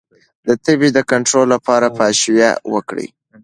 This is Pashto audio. د تبې د کنټرول لپاره پاشویه وکړئ